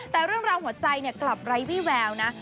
แต่เรื่องราวหัวใจกลับไร้วี่แววนะ